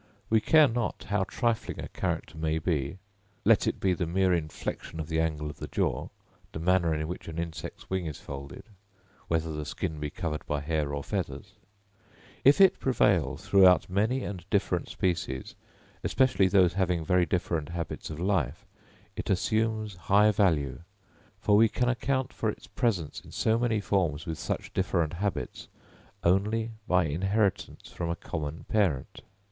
We care not how trifling a character may be—let it be the mere inflection of the angle of the jaw, the manner in which an insect's wing is folded, whether the skin be covered by hair or feathers—if it prevail throughout many and different species, especially those having very different habits of life, it assumes high value; for we can account for its presence in so many forms with such different habits, only by inheritance from a common parent.